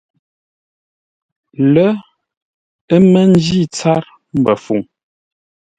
Lə̂, ə́ mə́ ńjí ntsát mbəfəuŋ.